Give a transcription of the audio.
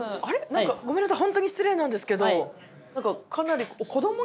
何かごめんなさい。